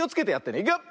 いくよ！